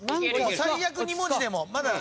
最悪２文字でも。